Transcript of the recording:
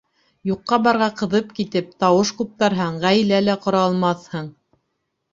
Юҡҡа-барға ҡыҙып китеп, тауыш ҡуптарһаң, ғаилә лә ҡора алмаҫһың.